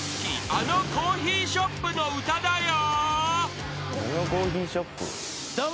［あのコーヒーショップの歌だよ］